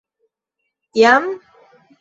Jam?